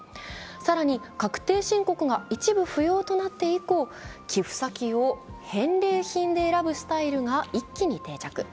更に、確定申告が一部不要となって以降、寄付先を返礼品で選ぶスタイルが一気に定着。